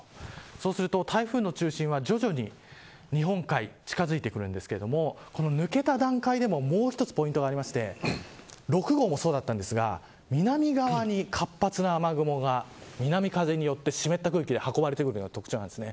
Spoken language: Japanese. そうすると台風の中心は徐々に日本海に近づいてくるんですが抜けた段階でももう一つポイントがあって６号もそうだったんですが南側に活発な雨雲が南風によって湿った空気で運ばれてくるのが特徴です。